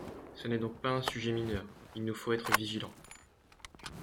Ce n’est donc pas un sujet mineur ; il nous faut être vigilants.